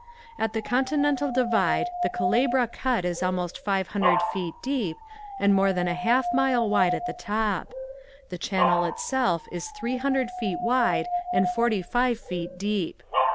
At the continental divide the Culebra Cut is almost five hundred feet deep and more than a half mile wide at the top. The channel itself is three hundred feet wide and forty five feet deep.